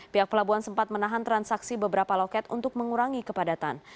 pihak pelabuhan sempat menahan transaksi beberapa loket untuk mengurangi kepadatan